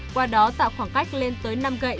qua đó tạo khoảng cách lên tới năm gạy